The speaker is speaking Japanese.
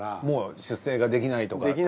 もう出世ができないとか。